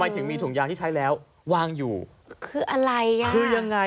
เจ้าของบ้านหลังนี้